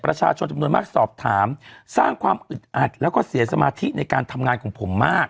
ประชาชนจำนวนมากสอบถามสร้างความอึดอัดแล้วก็เสียสมาธิในการทำงานของผมมาก